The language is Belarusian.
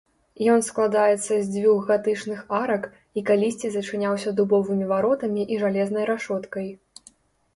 Ён складаецца з дзвюх гатычных арак, і калісьці зачыняўся дубовымі варотамі і жалезнай рашоткай.